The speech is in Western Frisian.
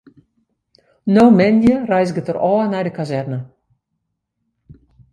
No moandei reizget er ôf nei de kazerne.